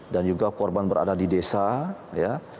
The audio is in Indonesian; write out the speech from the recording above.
dan juga korban berada di desa ya